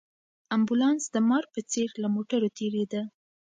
امبولانس د مار په څېر له موټرو تېرېده.